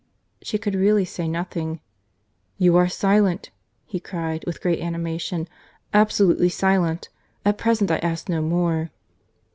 —She could really say nothing.—"You are silent," he cried, with great animation; "absolutely silent! at present I ask no more."